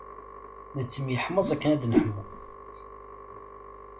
Nettemyeḥmaẓ akken ad neḥmu.